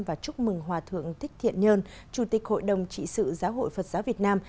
và chúc mừng hòa thượng thích thiện nhơn chủ tịch hội đồng trị sự giáo hội phật giáo việt nam